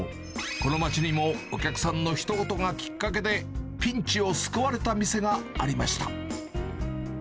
この街にもお客さんのひと言がきっかけで、ピンチを救われた店がありました。